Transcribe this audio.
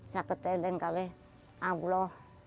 sejak tahun yang lalu allah